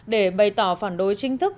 để bày tỏ phản đối chính thức